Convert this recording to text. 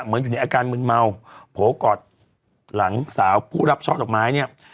อยู่ในอาการมืนเมาโผล่กอดหลังสาวผู้รับช่อดอกไม้เนี่ย